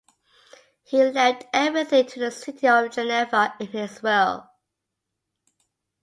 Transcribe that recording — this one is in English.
He left everything to the city of Geneva in his will.